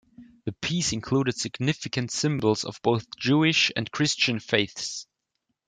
The piece included significant symbols of both Jewish and Christian faiths.